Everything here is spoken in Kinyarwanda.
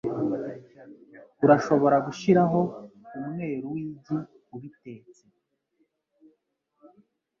Urashobora gushiraho umweru w'igi ubitetse.